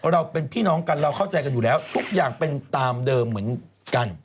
เราเป็นพี่น้องกันเราเข้าใจกันอยู่แล้วทุกอย่างเป็นตามเดิมเหมือนกัน